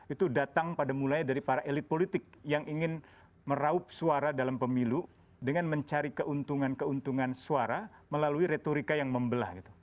itu datang pada mulai dari para elit politik yang ingin meraup suara dalam pemilu dengan mencari keuntungan keuntungan suara melalui retorika yang membelah